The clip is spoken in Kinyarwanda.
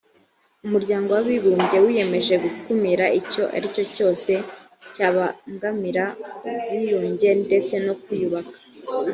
umuryango w abibumbye wiyemeje gukumira icyo ari cyo cyose cyabangamira ubwiyunge ndetse no kwiyubaka